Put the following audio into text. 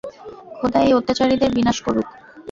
খোদা এই অত্যাচারীদের বিনাশ করুক!